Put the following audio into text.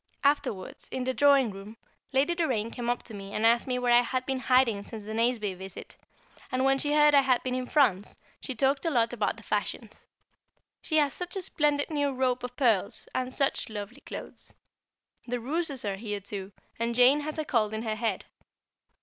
Afterwards, in the drawing room, Lady Doraine came up to me and asked me where I had been hiding since the Nazeby visit, and when she heard I had been in France, she talked a lot about the fashions. She has such a splendid new rope of pearls, and such lovely clothes. The Rooses are here too, and Jane has a cold in her head.